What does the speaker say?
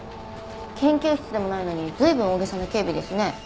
研究室でもないのに随分大げさな警備ですね。